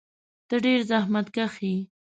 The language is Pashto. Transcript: ته ډېر زحمتکښ یې.